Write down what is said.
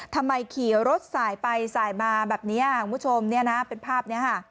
ทำไมขี่รถสายไปสายมาแบบนี้คุณผู้ชมเป็นภาพนี้